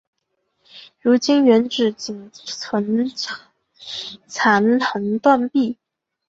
如今原址仅存残垣断壁。